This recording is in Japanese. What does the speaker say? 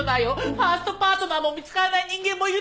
ファーストパートナーも見つからない人間もいるのに！